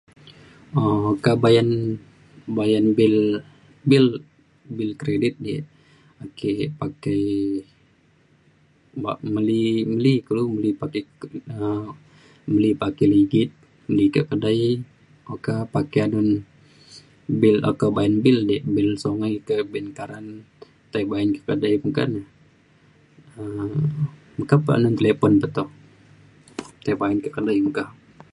um okak bayan bayan bil bil bil kredit ji ake pakai ba- meli meli kulu meli pakai um meli pakai ligit meli kak kedai okak pakai anun bil okak bayan bil di bil sungai ke bil karan tai bayan kak kedai meka na um meka pe line telefon pe toh tai bayan kak kedai meka